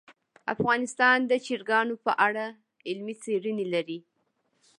افغانستان د چرګان په اړه علمي څېړنې لري.